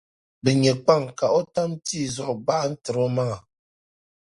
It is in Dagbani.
bɛ nya kpaŋ ka o tam tii zuɣu gbaɣtir’ omaŋa.